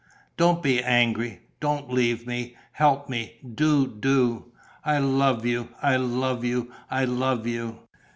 "Don't be angry. Don't leave me. Help me, do, do! I love you, I love you, I love you!"